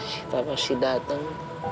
sita pasti datang